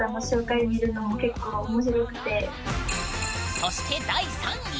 そして第３位！